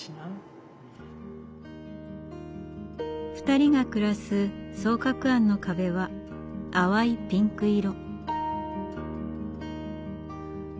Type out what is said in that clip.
２人が暮らす双鶴庵の壁は淡いピンク色。